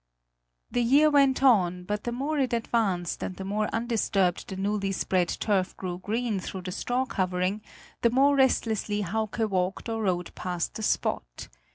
The year went on, but the more it advanced and the more undisturbed the newly spread turf grew green through the straw covering, the more restlessly Hauke walked or rode past the spot.